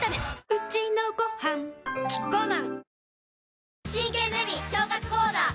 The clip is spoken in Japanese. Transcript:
うちのごはんキッコーマン